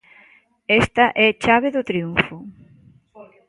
Esta é chave do triunfo.